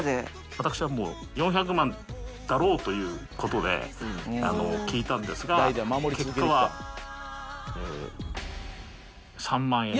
私はもう、４００万だろうということで、聞いたんですが、結果は、３万円。